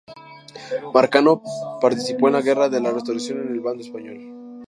Marcano participó en la Guerra de la Restauración, en el bando español.